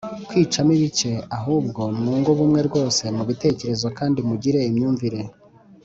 Kwicamo ibice a ahubwo mwunge ubumwe rwose mu bitekerezo kandi mugire imyumvire